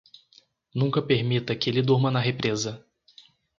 Nunca permita que ele durma na represa.